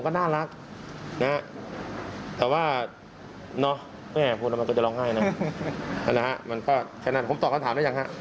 ครับเนาะมันก็แน่นั่นผมต่อคำถามได้ยัง